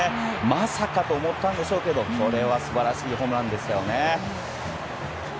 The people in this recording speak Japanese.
まさかと思ったんでしょうけどこれは素晴らしいホームランでしたよね。